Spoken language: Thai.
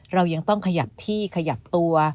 เรายังต้องขยับที่ขยับตัว